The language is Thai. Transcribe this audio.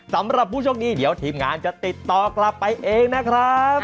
สำหรับผู้โชคดีเดี๋ยวทีมงานจะติดต่อกลับไปเองนะครับ